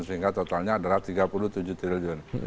sehingga totalnya adalah rp tiga puluh tujuh triliun